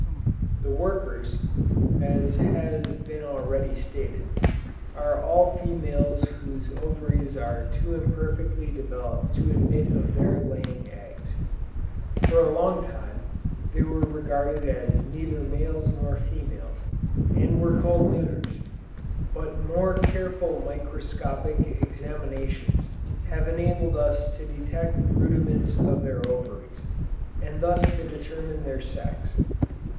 The workers, (as has been already stated,) are all females whose ovaries are too imperfectly developed to admit of their laying eggs. For a long time, they were regarded as neither males nor females, and were called Neuters; but more careful microscopic examinations have enabled us to detect the rudiments of their ovaries, and thus to determine their sex.